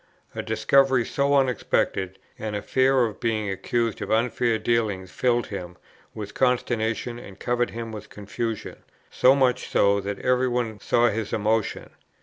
A discovery so unexpected, and the fear of being accused of unfair dealing filled him with consternation, and covered him with confusion, so much so, that every one saw his emotion.